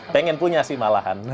pengen punya sih malahan